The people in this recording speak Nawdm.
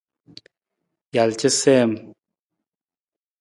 Jal casiim.